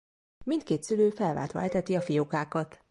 Mindkét szülő felváltva eteti a fiókákat.